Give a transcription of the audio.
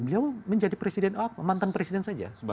ya menjadi presiden apa mantan presiden saja